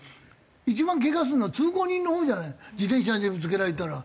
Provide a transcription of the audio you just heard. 一番けがするのは通行人のほうじゃないの自転車にぶつけられたら。